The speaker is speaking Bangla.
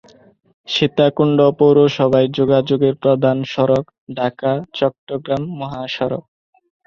সীতাকুণ্ড পৌরসভায় যোগাযোগের প্রধান সড়ক ঢাকা-চট্টগ্রাম মহাসড়ক।